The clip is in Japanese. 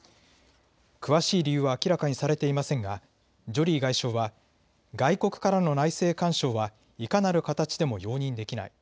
詳しい理由は明らかにされていませんが、ジョリー外相は外国からの内政干渉はいかなる形でも容認できない。